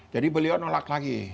jadi beliau nolak lagi